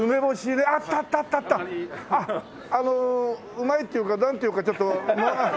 うまいっていうかなんていうか。